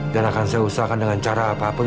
dan akan saya usahakan dengan cara apapun